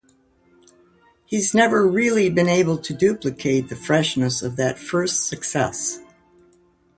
He's never really been able to duplicate the freshness of that first success.